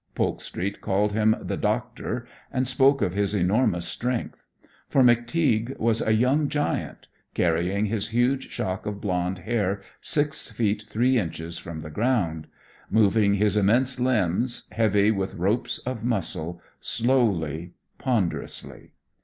Polk street called him the 'doctor' and spoke of his enormous strength. For McTeague was a young giant, carrying his huge shock of blonde hair six feet three inches from the ground; moving his immense limbs, heavy with ropes of muscle, slowly, ponderously.